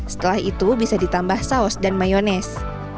setelah itu bisa ditambah saus dan mayonis